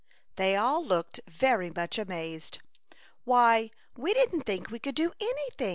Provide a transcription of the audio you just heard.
*' They all looked very much amazed. "Why, we didn't think we could do anything